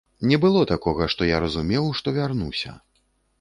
Не было такога, што я разумеў, што вярнуся.